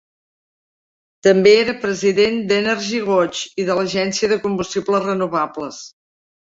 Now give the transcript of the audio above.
També era president d'EnergyWatch i de l'Agència de Combustibles Renovables.